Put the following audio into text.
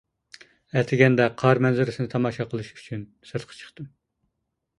ئەتىگەندە قار مەنزىرىسىنى تاماشا قىلىش ئۈچۈن سىرتقا چىقتىم.